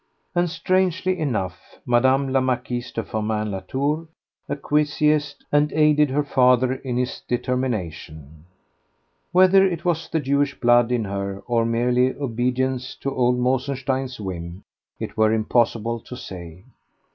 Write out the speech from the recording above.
And, strangely enough, Mme. la Marquise de Firmin Latour acquiesced and aided her father in his determination. Whether it was the Jewish blood in her, or merely obedience to old Mosenstein's whim, it were impossible to say.